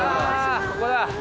ここだ。